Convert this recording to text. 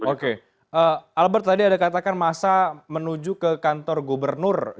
oke albert tadi ada katakan masa menuju ke kondisi lapas abe pura